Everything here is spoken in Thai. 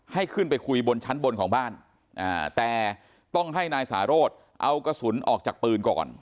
ให้ขึ้นไปคุยบนชั้นบนของบ้านแต่ต้องให้นายสาโรธเอากระสุนออกจากปืนก่อน